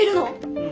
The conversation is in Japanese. うん。